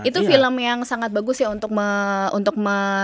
itu film yang sangat bagus ya untuk